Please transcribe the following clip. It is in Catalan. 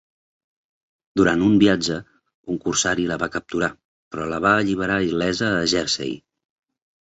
Durant un viatge, un corsari la va capturar, però la va alliberar il·lesa a Jersey.